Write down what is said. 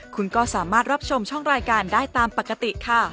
คุณก็สามารถรับชมช่องรายการได้ตามปกติค่ะ